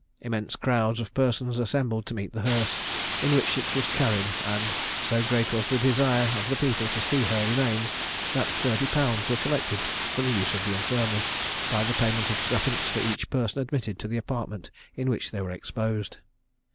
Immense crowds of persons assembled to meet the hearse, in which it was carried; and so great was the desire of the people to see her remains, that 30_l._ were collected for the use of the infirmary, by the payment of 3_d._ for each person admitted to the apartment in which they were exposed.